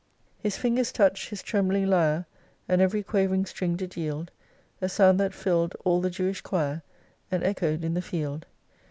3 His fingers touched his trembling lyre, And every quavering string did yield A sound that filled all the Jewish quire. And echoed in the field.